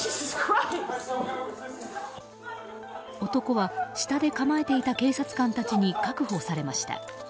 男は、下で構えていた警察官たちに確保されました。